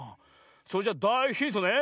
それじゃだいヒントね。